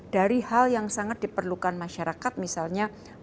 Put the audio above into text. dari hal yang sangat diperlukan masyarakat misalnya